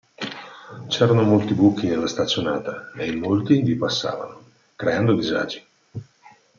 C'erano molti buchi nella staccionata e in molti vi passavano, creando disagi.